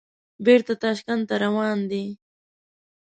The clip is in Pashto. بېرته تاشکند ته روان دي.